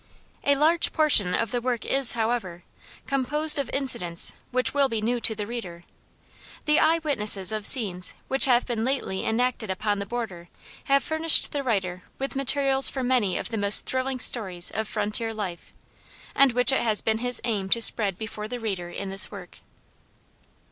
A large portion of the work is, however, composed of incidents which will be new to the reader. The eye witnesses of scenes which have been lately enacted upon the border have furnished the writer with materials for many of the most thrilling stories of frontier life, and which it has been his aim to spread before the reader in this work.